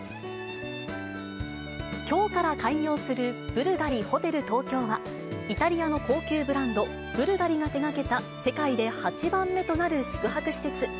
きょうから開業するブルガリホテル東京は、イタリアの高級ブランド、ブルガリが手がけた、世界で８番目となる宿泊施設。